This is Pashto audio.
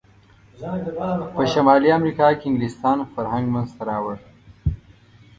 په شمالي امریکا کې انګلسان فرهنګ منځته راوړ.